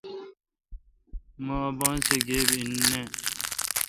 مہ اپاسہ گیب ای نہ۔